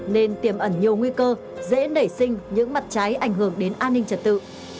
nên tiềm ẩn nhiều nguy cơ dễ nảy sinh những mặt trái ảnh hưởng đến an ninh trật tự